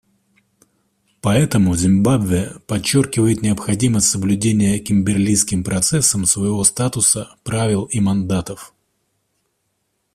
Поэтому Зимбабве подчеркивает необходимость соблюдения Кимберлийским процессом своего статута, правил и мандатов.